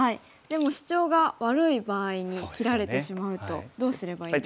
でもシチョウが悪い場合に切られてしまうとどうすればいいですか？